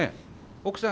奥さん